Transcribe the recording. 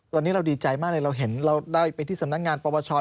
ตอนนี้เราดีใจมากเลยเราเห็นเราได้ไปที่สำนักงานปปช